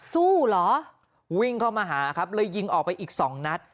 เหรอวิ่งเข้ามาหาครับเลยยิงออกไปอีกสองนัด